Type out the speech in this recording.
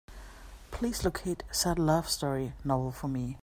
Please locate Sad Love Story novel for me.